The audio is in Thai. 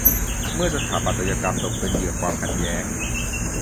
เมื่อสถาปัตยกรรมตกเป็นเหยื่อความขัดแย้ง